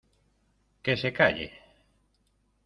¡ que se calle!